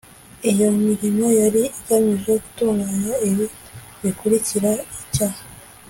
iyo mirimo yari igamije gutunganya ibi bikurikira: icya